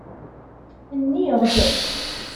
Nniɣ-d.